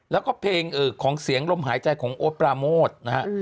แล้วก็เพลงของเสียงลมหายใจของโอ๊ตปราโมทนะฮะ